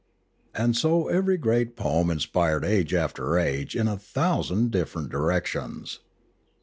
And so every great 4H Limanora poem inspired age after age in a thousand different directions.